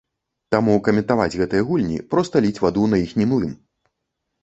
Таму каментаваць гэтыя гульні, проста ліць ваду на іхні млын.